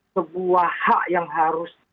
sebuah hak yang harus